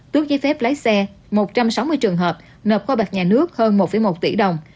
tước giấy phép lái xe một trăm sáu mươi trường hợp nộp kho bạc nhà nước hơn một một tỷ đồng